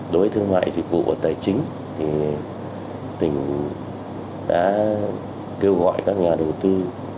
đối với thương mại dịch vụ tài chính thì tỉnh đã kêu gọi các nhà đầu tư